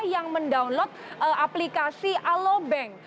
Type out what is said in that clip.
yang mendownload aplikasi alobank